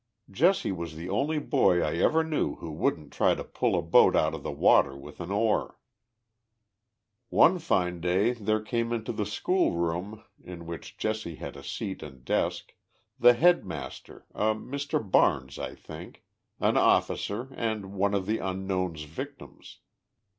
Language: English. Jesse was the only boy I ever knew who wouldn't try to pull a boat out of the water with an oar." 44 One line day there came into the school room, in which Jesse had a seat and desk, the head master, a Mr. Barnes, I think, an officer and one of the unknown's victims.